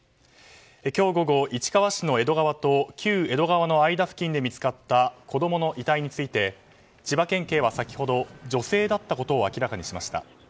今日午後、市川市の江戸川と旧江戸川の間付近で見つかった子供の遺体について千葉県警は先ほど女性だったことを明らかにしました。